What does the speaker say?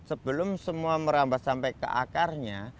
sebelum semua merambat sampai ke akarnya